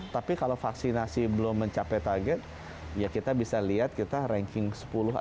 tapi kalau vaksinasi belum mencapai target ya kita bisa lihat kita ranking sepuluh atau